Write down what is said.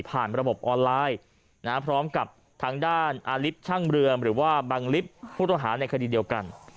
ระบบออนไลน์พร้อมกับทางด้านอาลิฟต์ช่างเรืองหรือว่าบังลิฟต์ผู้ต้องหาในคดีเดียวกัน